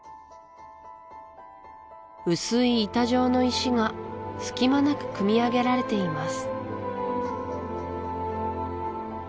薄い板状の石が隙間なくくみ上げられています